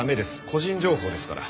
個人情報ですから。